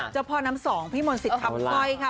เจ้าพ่อน้ำสองพี่มนต์สิทธิ์คำสร้อยค่ะ